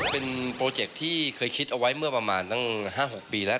เป็นโปรเจคที่เคยคิดเอาไว้เมื่อประมาณตั้ง๕๖ปีแล้ว